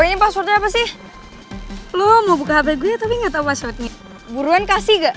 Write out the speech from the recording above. oh ini passwordnya apa sih lo mau buka hp gue tapi nggak tahu passwordnya buruan kasih ga